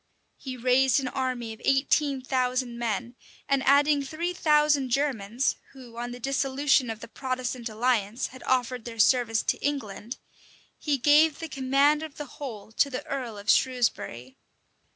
He raised an army of eighteen thousand men, and adding three thousand Germans, who, on the dissolution of the Protestant alliance, had offered their service to England, he gave the command of the whole to the earl of Shrewsbury.